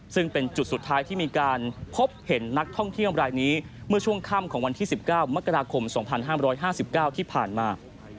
ซึ่งเป็นจุดสุดท้ายที่มีการพบเห็นนักท่องเที่ยวรายนี้เมื่อช่วงค่ำของวันที่๑๙มกราคม๒๕๕๙ที่ผ่านมา